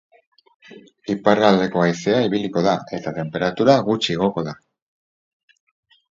Iparraldeko haizea ibiliko da eta tenperatura gutxi igoko da.